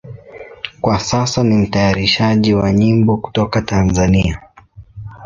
Kwa sasa ni mtayarishaji wa nyimbo kutoka Tanzania.